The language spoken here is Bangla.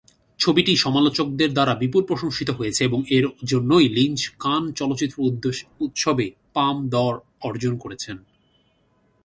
ছবিটি সমালোচকদের দ্বারা বিপুল প্রশংসিত হয়েছে এবং এর জন্যই লিঞ্চ কান চলচ্চিত্র উৎসবে পাম দর অর্জন করেছেন।